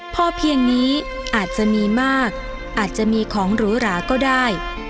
พอเพียงนี้อาจจะมีมากอาจจะมีของหรูหราก็ได้